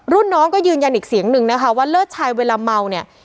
รุ่นน้องก็ยืนยันอีกเสียงนึงนะคะว่าเลิศชายเวลาเมาเนี่ย